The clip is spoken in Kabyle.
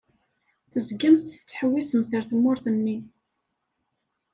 Tezgamt tettḥewwisemt ar tmurt-nni.